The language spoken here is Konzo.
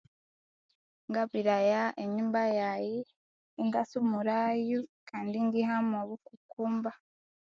Ngabiraya enyumba yaghi ingasumuraghu Kandi ingiha mobukokomba